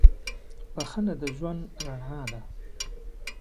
• بخښنه د ژوند رڼا ده.